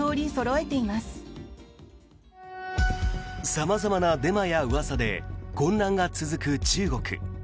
様々なデマやうわさで混乱が続く中国。